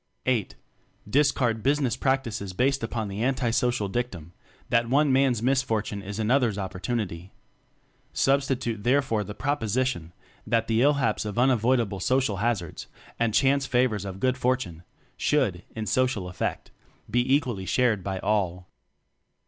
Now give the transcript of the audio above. (VIII) Discard "business" practices based upon the anti social dictum that: "one man's misfortune is an other's opportunity"; Substitute therefor the proposition that: the illhaps of unavoidable social hazards and chance favors of good fortune should (in social effect) be equally shared by all.